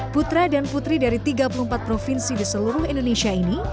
putra dan putri dari tiga puluh empat provinsi di seluruh indonesia ini